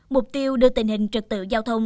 mục tiêu đưa tình hình trực tự giao thông